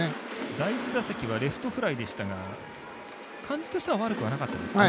第１打席はレフトフライでしたが感じとしては悪くなかったですかね。